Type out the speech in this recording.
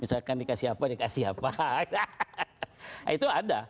misalkan dikasih apa dikasih apa itu ada